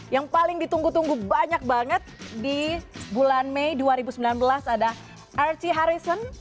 yang paling ditunggu tunggu banyak banget di bulan mei dua ribu sembilan belas ada rt harrison